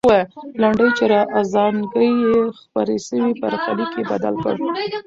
لنډۍ چې ازانګې یې خپرې سوې، برخلیک یې بدل کړ.